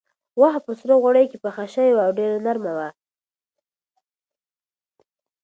غوښه په سرو غوړیو کې پخه شوې وه او ډېره نرمه وه.